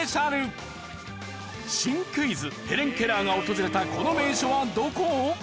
新クイズヘレン・ケラーが訪れたこの名所はどこ？